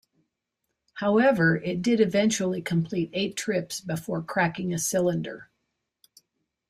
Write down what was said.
However, it did eventually complete eight trips before cracking a cylinder.